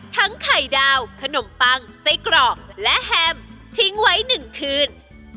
ทั้งไข่ดาวขนมปังใส่กรอกและแฮมทิ้งไว้หนึ่งคืน